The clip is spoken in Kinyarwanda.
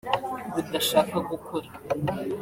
rudashaka gukora